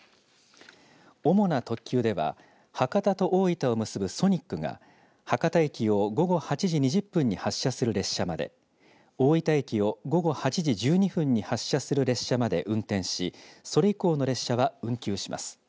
主な特急では博多と大分を結ぶソニックが博多駅を午後８時２０分に発車する列車まで、大分駅を午後８時１２分に発車する列車まで運転しそれ以降の列車は運休します。